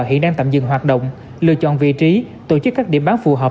hiện đang tạm dừng hoạt động lựa chọn vị trí tổ chức các điểm bán phù hợp